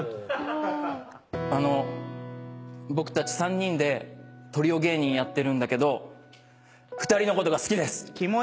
あの僕たち３人でトリオ芸人やってるんだけど２人のことが好きです。